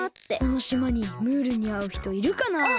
このしまにムールにあうひといるかなあ。